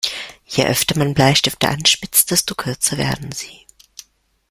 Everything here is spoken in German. Je öfter man Bleistifte anspitzt, desto kürzer werden sie.